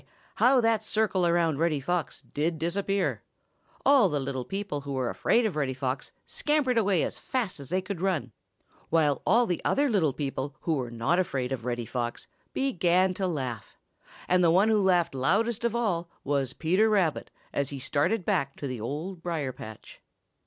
How that circle around Reddy Fox did disappear! All the little people who were afraid of Reddy Fox scampered away as fast as they could run, while all the other little people who were not afraid of Reddy Fox began to laugh, and the one who laughed loudest of all was Peter Rabbit, as he started back to the Old Briar patch.